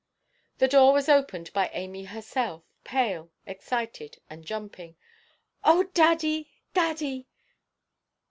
The door was opened by Amy herself, pale, excited, and jumping. "Oh, daddy, daddy!"